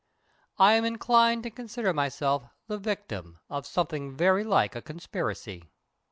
I am inclined to consider myself the victim of something very like a conspiracy."